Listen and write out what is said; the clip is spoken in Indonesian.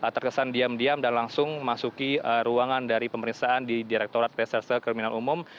terkesan diam diam dan langsung masuki ruangan dari pemeriksaan di direktorat reserse kriminal umum